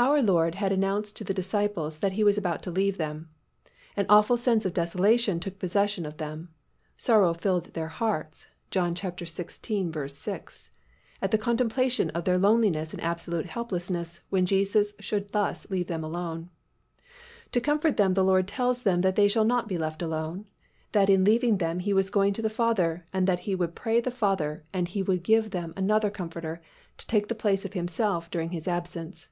Our Lord had announced to the disciples that He was about to leave them. An awful sense of desolation took possession of them. Sorrow filled their hearts (John xvi. 6) at the contemplation of their loneliness and absolute helplessness when Jesus should thus leave them alone. To comfort them the Lord tells them that they shall not be left alone, that in leaving them He was going to the Father and that He would pray the Father and He would give them another Comforter to take the place of Himself during His absence.